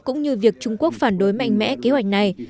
cũng như việc trung quốc phản đối mạnh mẽ kế hoạch này